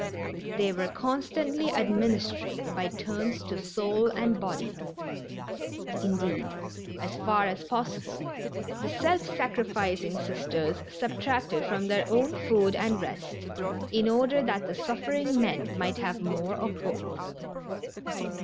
They were constantly administering by turns to soul and body. Indeed, as far as possible, the self sacrificing Sisters subtracted from their own food and rest in order that the suffering men might have more of both.